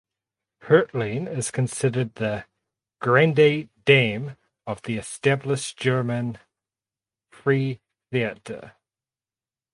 Hertling is considered the "grande dame" of the established German (free theatre).